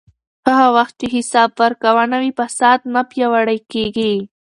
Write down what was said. هغه وخت چې حساب ورکونه وي، فساد نه پیاوړی کېږي.